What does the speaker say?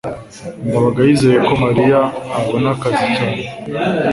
ndabaga yizeye ko mariya abona akazi cyane